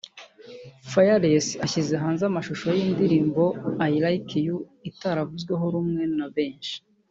Fearless ashyize hanze amashusho y’indirimbo “I Like You” itaravuzweho rumwe na benshi